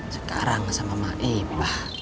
sekarang sama maipah